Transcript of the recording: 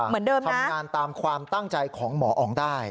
เหมือนเดิมทำงานตามความตั้งใจของหมออ๋องได้